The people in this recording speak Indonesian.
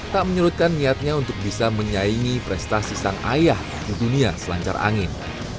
tak menyurutkan niatnya untuk bisa menyaingi prestasi sang ayah di dunia selancar angin